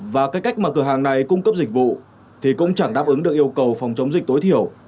và cái cách mà cửa hàng này cung cấp dịch vụ thì cũng chẳng đáp ứng được yêu cầu phòng chống dịch tối thiểu